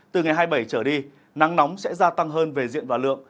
từ ngày hai mươi bảy trở đi nắng nóng sẽ gia tăng hơn về diện và lượng